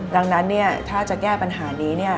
ดังนั้นถ้าจะแก้ปัญหานี้